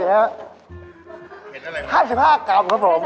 ๕๕กรัมครับผม